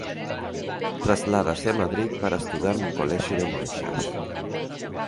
Trasládase a Madrid para estudar nun colexio de monxas.